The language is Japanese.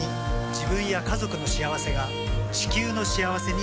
自分や家族の幸せが地球の幸せにつながっている。